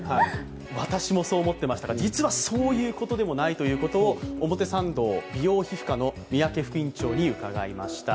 私もそう思っていましたが実はそうでもないということを表参道美容皮膚科の三宅副院長に伺いました。